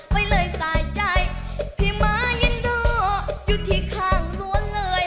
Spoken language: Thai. ไปเลยสายใจพี่ม้ายังรออยู่ที่ข้างม้วนเลย